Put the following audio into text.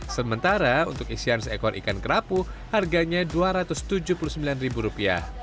sementara untuk isian seekor ikan kerapu harganya rp dua ratus tujuh puluh sembilan